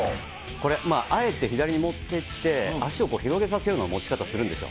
これ、あえて左に持っていって、足を広げさせるような持ち方をするんですよ。